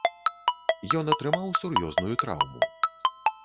Ён атрымаў сур'ёзную траўму.